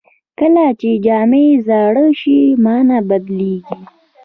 کله چې جامې زاړه شي، مانا بدلېږي.